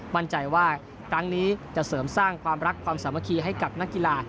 มั่นใจว่าครั้งนี้จะเสริมสร้างความรักความสามัคคีให้กับนักกีฬา